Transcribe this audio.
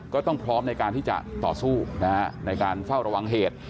ก็ต้องพร้อมในการที่จะต่อสู้ในการเฝ้าระวังเหตุ